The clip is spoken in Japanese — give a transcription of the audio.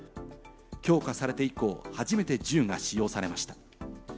強化されて以降、初めて銃が使用されました。